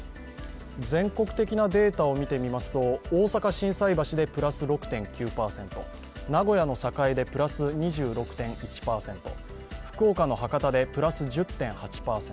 全国的なデータを見てみますと大阪・心斎橋でプラス６．９％名古屋の栄でプラス２６．１％福岡の博多でプラス１０．８％。